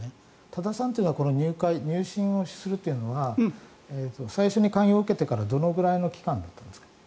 多田さんはこの入会、入信をするというのが最初に勧誘を受けてからどのぐらいの期間だったんですか？